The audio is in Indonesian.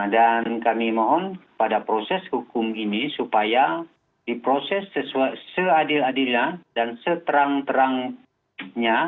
dan kami mohon pada proses hukum ini supaya diproses seadil adilan dan seterang terangnya